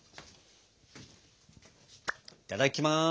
いただきます！